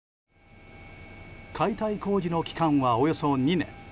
解体工事の期間はおよそ２年。